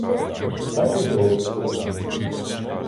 Так і жили ми собі.